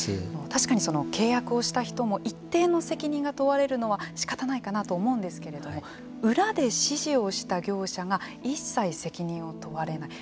確かに契約をした人も一定の責任が問われるのはしかたないかなと思うんですけれども裏で指示をした業者が一切責任を問われない。